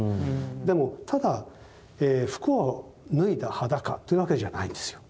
でもただ服を脱いだ裸というわけじゃないんですよ。